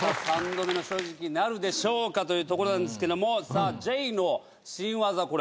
３度目の正直なるでしょうかというところなんですけどもジェイの新技